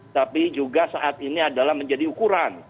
tapi juga saat ini adalah menjadi ukuran